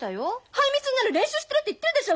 ハイミスになる練習してるって言ってるでしょ！